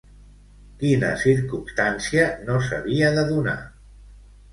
Quina circumstància no s'havia de donar?